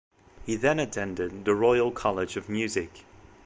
He then attended the Royal College of Music.